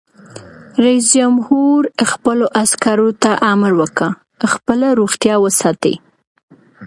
رئیس جمهور خپلو عسکرو ته امر وکړ؛ خپله روغتیا وساتئ!